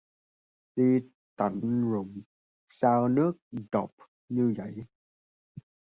đi tận rừng sâu nước độc như vậy